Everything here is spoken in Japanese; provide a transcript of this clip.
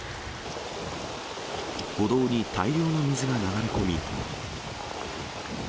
歩道に大量の水が流れ込み。